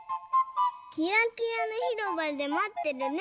「キラキラのひろばでまってるね。